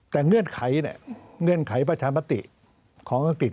แต่เงื่อนไขประชามาติของอังกฤษ